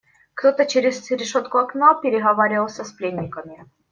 Кто-то через решетку окна переговаривался с пленниками.